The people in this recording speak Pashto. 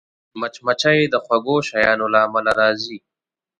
مچمچۍ د خوږو شیانو له امله راځي